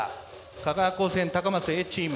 香川高専Ａチーム。